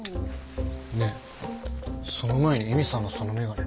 ねえその前に恵美さんのそのメガネ。